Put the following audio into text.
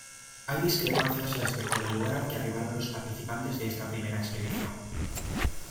Hay discrepancias respecto del lugar al que arribaron los participantes de esta primera expedición.